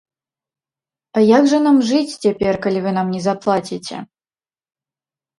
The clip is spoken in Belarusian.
А як жа нам жыць цяпер, калі вы нам не заплаціце?